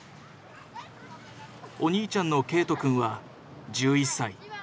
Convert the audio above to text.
お兄ちゃんの圭冬くんは１１歳。